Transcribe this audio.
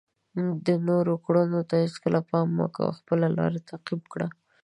د نورو کړنو ته هیڅکله پام مه کوه، خپله لاره تعقیب کړه.